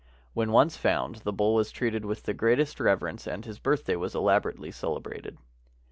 When once found, the bull was treated with the greatest reverence, and his birthday was elaborately celebrated.